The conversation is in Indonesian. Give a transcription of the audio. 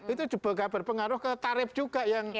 itu juga berpengaruh ke tarif juga yang